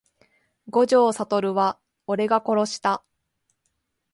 五条悟は俺が殺した…